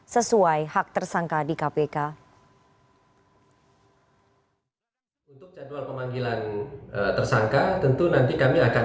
sesuai hak tersangka di kpk